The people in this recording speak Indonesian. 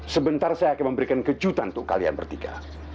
sebentar saya akan memberikan kejutan untuk kalian bertiga